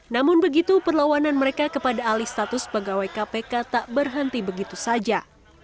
namun begitu perlawanan mereka kepada alih status pegawai kpk tak berhenti begitu saja